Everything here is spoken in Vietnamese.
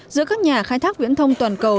giữa các nhà khai thác viễn thông toàn cầu